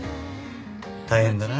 大変だな。